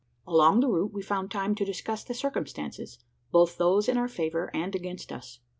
Along the route we found time to discuss the circumstances both those in our favour and against us.